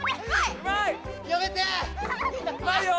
うまいよ！